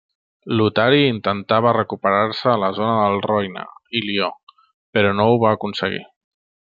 Lotari intentava recuperar-se a la zona del Roine i Lió però no ho va aconseguir.